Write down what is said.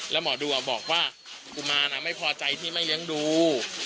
แล้วหมอดูบอกว่ากุมารไม่พอใจที่ไม่เลี้ยงดู